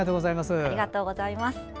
ありがとうございます。